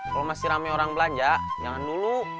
kalau masih rame orang belanja jangan dulu